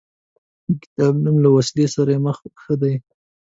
د کتاب نوم له وسلې سره مخه ښه دی.